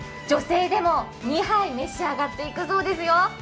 女性でも２杯、召し上がっていくそうですよ。